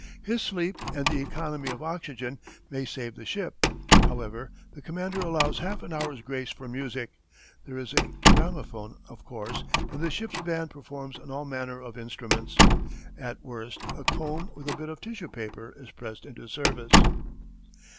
His sleep and the economy of oxygen may save the ship. However, the commander allows half an hour's grace for music. There is a gramophone, of course, and the "ship's band" performs on all manner of instruments. At worst, a comb with a bit of tissue paper is pressed into service.